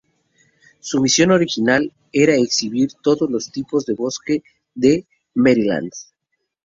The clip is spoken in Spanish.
Su misión original era exhibir todos los tipos de bosque de Maryland.